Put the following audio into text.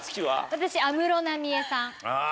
私安室奈美恵さん。